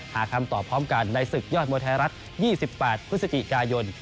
หาคำตอบพร้อมกันในศึกยอดมวยไทยรัฐ๒๘พฤศจิกายน